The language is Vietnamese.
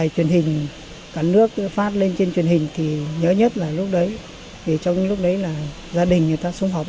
cùng các ông bà